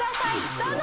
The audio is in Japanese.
どうぞ！